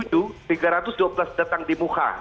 itu tiga ratus dua belas datang di muha